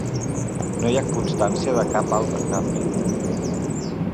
No hi ha constància de cap altre canvi.